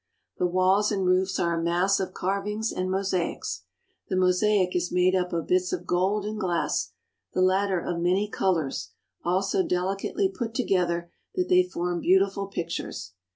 The walls and roofs are a mass of carvings and mosaics. The mosaic is made up of bits of gold and glass, the latter of many colours, all so delicately put together that they form beautiful pictures.